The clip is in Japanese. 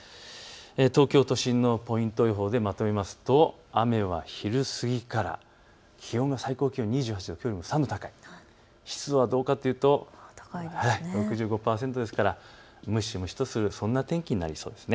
東京都心のポイント予報でまとめますと雨は昼過ぎから、最高気温２８度きょうよりも３度高い湿度も６５％ですから蒸し蒸しとする、そんな天気になりそうです。